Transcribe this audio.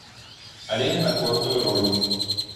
Але не на кожную ролю.